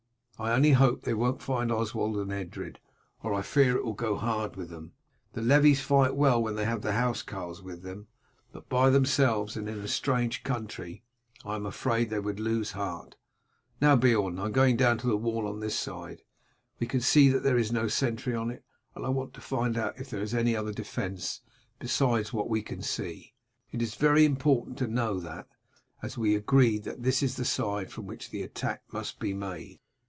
I only hope they wont find Oswald and Edred, or I fear it will go hard with them. The levies fight well when they have the housecarls with them, but by themselves and in a strange country I am afraid they would lose heart. Now, Beorn, I am going down to the wall on this side. We can see that there is no sentry on it, and I want to find out if there is any other defence besides what we can see. It is very important to know that, as we agreed that this is the side from which the attack must be made."